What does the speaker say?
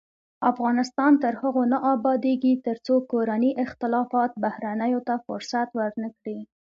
افغانستان تر هغو نه ابادیږي، ترڅو کورني اختلافات بهرنیو ته فرصت ورنکړي.